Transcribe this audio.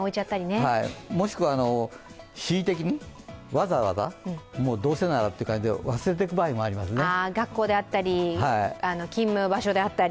もしくは恣意的にわざわざどうせならって感じで忘れていく場合もありますね。